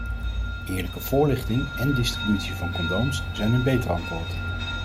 Eerlijke voorlichting en distributie van condooms zijn een beter antwoord.